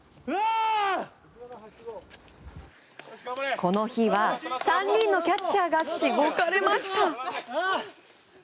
この日は３人のキャッチャーがしごかれました。